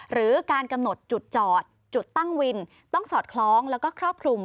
หรือการกำหนดจุดจอดจุดตั้งวินต้องสอดคล้องแล้วก็ครอบคลุม